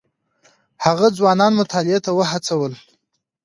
هغه ځوانان مطالعې ته وهڅول.